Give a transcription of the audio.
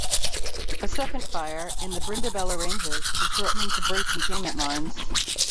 A second fire, in the Brindabella Ranges, was threatening to break containment lines.